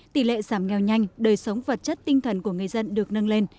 tỷ lệ giảm nghèo nhanh đời sống vật chất tinh thần của người dân được nâng lên